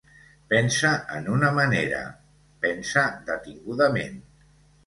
Pensa en una manera... pensa detingudament.